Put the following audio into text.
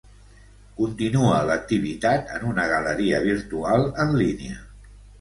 Continua l'activitat en una galeria virtual en línia.